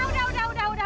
udah udah udah udah